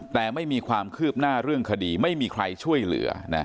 แต่ไม่มีความคืบหน้าเรื่องคดีไม่มีใครช่วยเหลือ